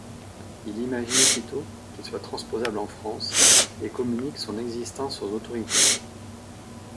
Il imagine aussitôt qu'il soit transposable en France et communique son existence aux autorités.